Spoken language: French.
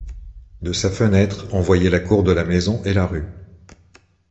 De sa fenêtre on voyait la cour de la maison et la rue.